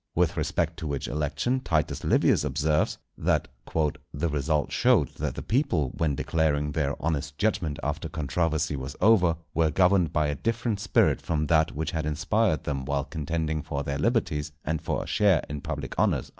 With respect to which election Titus Livius observes, that "_the result showed that the people when declaring their honest judgment after controversy was over, were governed by a different spirit from that which had inspired them while contending for their liberties and for a share in public honours_."